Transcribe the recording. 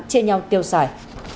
chia nhau tiêu sải